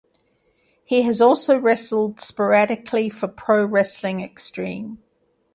He has also wrestled sporadically for Pro Wrestling Extreme.